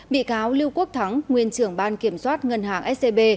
bị cáo lưu quốc thắng nguyên trưởng ban kiểm soát ngân hàng scb